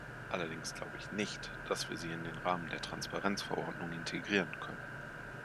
Allerdings glaube ich nicht, dass wir sie in den Rahmen der Transparenz-Verordnung integrieren können.